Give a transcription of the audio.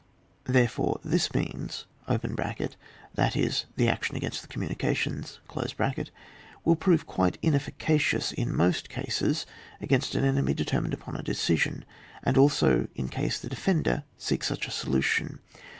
Therefore this means (that is the action against the communications) will prove quite inefficacious in most cases against an enemy determined upon a decision, and also in case the defender seeks such a solution.